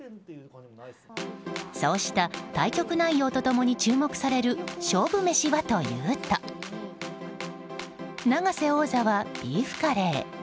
そうした対局内容と共に注目される勝負メシはというと永瀬王座はビーフカレー。